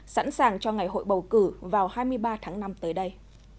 sẵn sàng cho ngày hội bầu cử vào hai mươi ba tháng năm tới đây